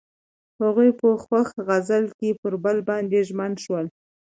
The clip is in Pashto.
هغوی په خوښ غزل کې پر بل باندې ژمن شول.